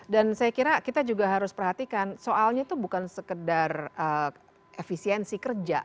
dan saya kira kita juga harus perhatikan soalnya itu bukan sekedar efisiensi kerja